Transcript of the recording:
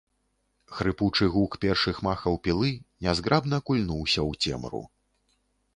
Хрыпучы гук першых махаў пілы нязграбна кульнуўся ў цемру.